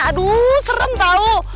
aduh serem tau